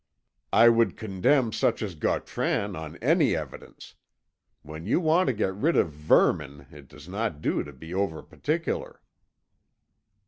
"I would condemn such as Gautran on any evidence. When you want to get rid of vermin it does not do to be over particular."